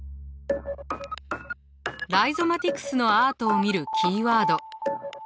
ライゾマティクスのアートを見るキーワード。